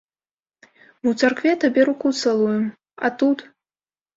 Мы ў царкве табе руку цалуем, а тут?!.